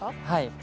はい。